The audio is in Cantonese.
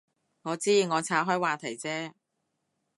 我知，我岔开话题啫